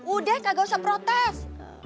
udah kaga usah protes